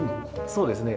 そうですね。